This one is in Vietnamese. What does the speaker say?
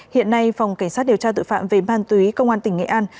hiện nay phòng cảnh sát điều tra tội phạm về ma túy công an tỉnh nghệ an